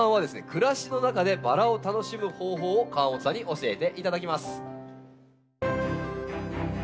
暮らしの中でバラを楽しむ方法を河本さんに教えていただきます。